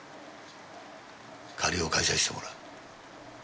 借りを返させてもらう。